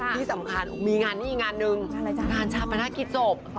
ที่สำคัญมีหยิงงานหนึ่งงานชาปรพินัสกิศศพ